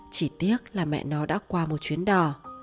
chỉ tiếc là mẹ nó đã qua một chuyến đò